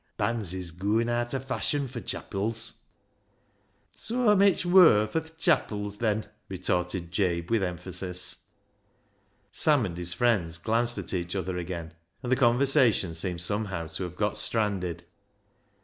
bands is gooin' aat o' fashion fur chapils." " Soa mitch wur fur th' chapils, then," retorted Jabe with emphasis. Sam and his friends glanced at each other again, and the conversation seemed somehow to have got stranded.